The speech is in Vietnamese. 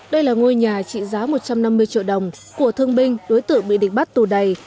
đây là ngôi nhà trị giá một trăm năm mươi triệu đồng của thương binh đối tượng bị địch bắt tù đầy